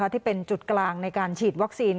ที่เป็นจุดกลางในการฉีดวัคซีน